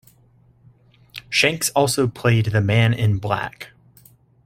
Shanks also played the Man in Black.